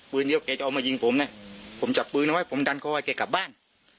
ปืนเดียวเขาจะเอามายิงผมนะผมจับปืนเอาไว้ผมดันคอให้เขากลับบ้าน